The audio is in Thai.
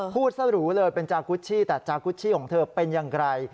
พูดซะหรูเลยเป็นจากุชชี่แต่จากุชชี่ของเธอเป็นอย่างไร